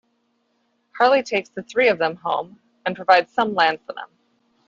Harley takes the three of them home, and provides some land for them.